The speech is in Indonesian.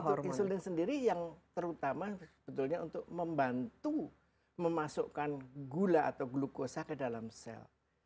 peran insulin itu sendiri yang terutama sebetulnya untuk membantu memasukkan gula atau glukosa ke dalam sel